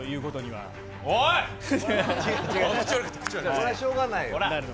それはしょうがないよ。